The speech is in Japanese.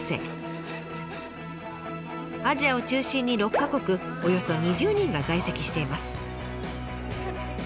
アジアを中心に６か国およそ２０人が在籍しています。